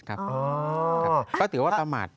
ก็ถือว่าตามหมาตร